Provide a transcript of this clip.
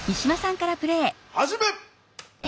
始め！